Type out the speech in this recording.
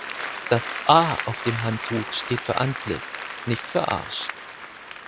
Das A auf dem Handtuch steht für Antlitz, nicht für Arsch.